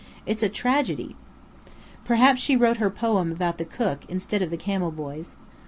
It's a tragedy!" Perhaps she wrote her poem about the cook instead of the camel boys.